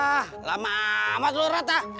ah lama amat lu ratah